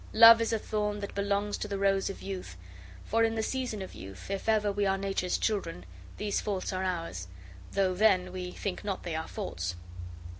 Love is a thorn that belongs to the rose of youth; for in the season of youth, if ever we are Nature's children, these faults are ours, though then we think not they are faults."